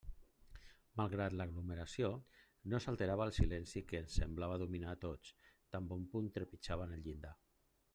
Malgrat l'aglomeració, no s'alterava el silenci que semblava dominar a tots tan bon punt trepitjaven el llindar.